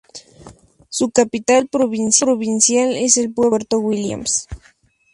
Su capital provincial es el pueblo de Puerto Williams.